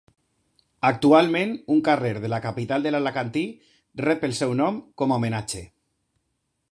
Actualment, un carrer de la capital de l'Alacantí rep el seu nom, com a homenatge.